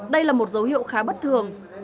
đây là một dấu hiệu khá bất thường